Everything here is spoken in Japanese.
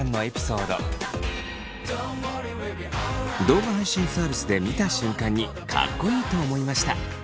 動画配信サービスで見た瞬間にかっこいい！と思いました。